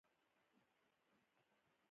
نجلۍ چیغه کړه.